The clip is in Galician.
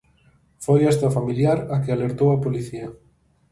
Foi esta familiar a que alertou a policía.